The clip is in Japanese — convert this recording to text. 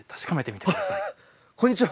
こんにちは。